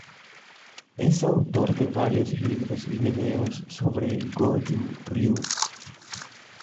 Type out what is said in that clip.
Es autor de varios libros y videos sobre el Goju Ryu.